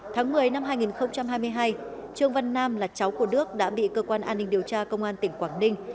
tháng một mươi năm hai nghìn hai mươi hai trương văn nam là cháu của đức đã bị cơ quan an ninh điều tra công an tỉnh quảng ninh